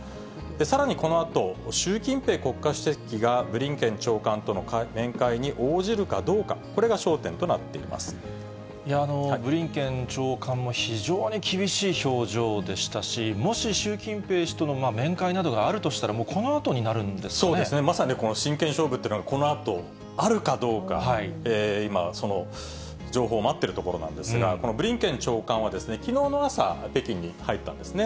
さらにこのあと、習近平国家主席がブリンケン長官との面会に応じるかどうか、ブリンケン長官も、非常に厳しい表情でしたし、もし習近平氏との面会などがあるとしたら、そうですね、まさにこの真剣勝負というのが、このあと、あるかどうか、今、その情報を待っているところなんですが、このブリンケン長官はきのうの朝、北京に入ったんですね。